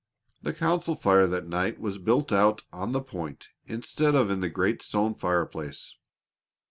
The council fire that night was built out on the point instead of in the great stone fireplace.